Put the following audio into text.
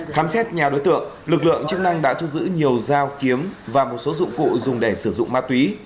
khám xét nhà đối tượng lực lượng chức năng đã thu giữ nhiều dao kiếm và một số dụng cụ dùng để sử dụng ma túy